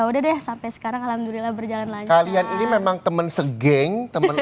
udah deh sampai sekarang alhamdulillah berjalan jalan kalian ini memang temen segeng temen